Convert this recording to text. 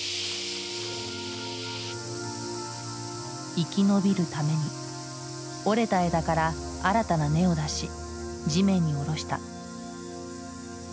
生き延びるために折れた枝から新たな根を出し地面に下ろした。